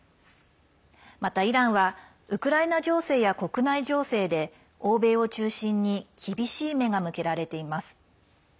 また、イランはウクライナ情勢や国内情勢で欧米を中心に厳しい目が向けられています。